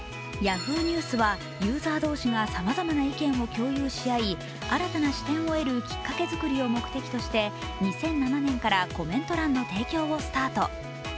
Ｙａｈｏｏ！ニュースはユーザー同士がさまざまな意見を共有し合い新たな視点を得るきっかけづくりを目的として２００７年からコメント欄の提供をスタート。